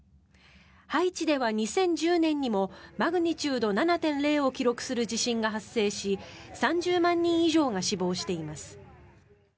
ハイチでは２０１０年にもマグニチュード７．０を記録する地震が発生し３０万人以上が死亡しています。